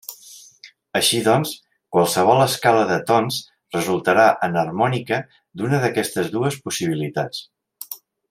Així doncs, qualsevol escala de tons resultarà enharmònica d'una d'aquestes dues possibilitats.